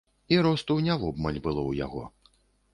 І росту не вобмаль было ў яго.